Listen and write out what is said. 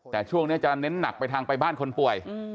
แต่ช่วงนี้จะเน้นหนักไปทางไปบ้านคนป่วย